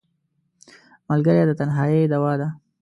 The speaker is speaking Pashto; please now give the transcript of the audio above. ملګری د تنهایۍ دواء ده